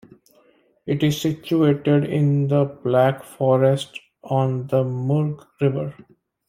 It is situated in the Black Forest on the Murg river.